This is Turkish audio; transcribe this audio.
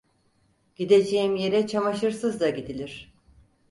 Gideceğim yere çamaşırsız da gidilir.